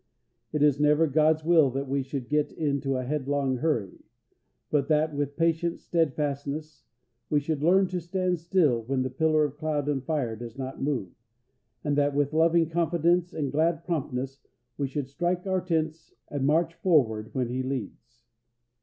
It is never God's will that we should get into a headlong hurry; but that, with patient steadfastness, we should learn to stand still when the pillar of cloud and fire does not move, and that with loving confidence and glad promptness we should strike our tents and march forward when He leads.